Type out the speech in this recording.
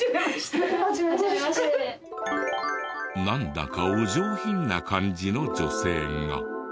なんだかお上品な感じの女性が。